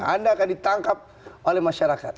anda akan ditangkap oleh masyarakat